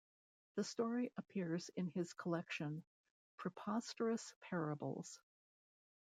The story appears in his collection "Preposterous Parables".